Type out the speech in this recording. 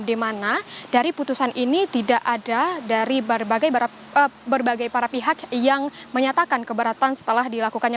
di mana dari putusan ini tidak ada dari berbagai para pihak yang menyatakan keberatan setelah dilakukannya